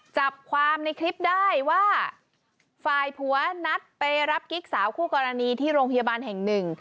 จับความในคลิปได้ว่าฝ่ายผัวนัดไปรับกิ๊กสาวคู่กรณีที่โรงพยาบาลแห่งหนึ่ง